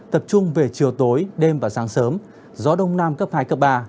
tập trung về chiều tối đêm và sáng sớm gió đông nam cấp hai cấp ba